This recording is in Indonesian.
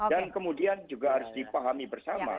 dan kemudian juga harus dipahami bersama